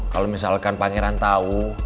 kalo misalkan pangeran tau